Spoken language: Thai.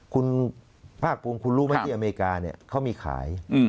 คุณภาคภูมิคุณรู้ไหมที่อเมริกาเนี่ยเขามีขาย